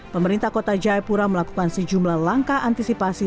pemerintah kota jayapura melakukan sejumlah langkah antisipasi